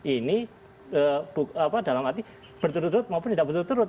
ini dalam arti berturut turut maupun tidak berturut turut